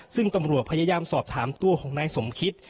ซึ่งตำรวจพยายามสอบถามตัวของนายสมคิต